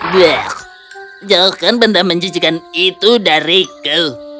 bleh jangan benda menjijikan itu dariku